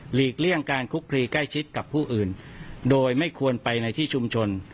เลี่ยงการคุกคลีใกล้ชิดกับผู้อื่นโดยไม่ควรไปในที่ชุมชน